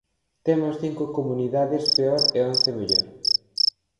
Temos cinco comunidades peor e once mellor.